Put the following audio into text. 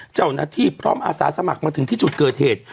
เจ้าหน้าที่พร้อมอาสาสมัครมาถึงที่จุดเกิดเหตุ